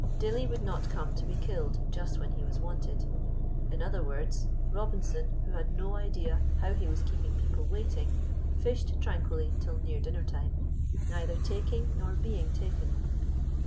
Dilly would not come to be killed just when he was wanted. In other words, Robinson, who had no idea how he was keeping people waiting, fished tranquilly till near dinner time, neither taking nor being taken.